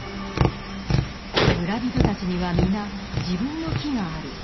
村人たちには皆自分の木がある。